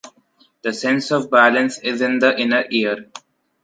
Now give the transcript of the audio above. The sense of balance is in the inner ear.